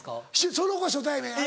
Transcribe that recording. その子は初対面。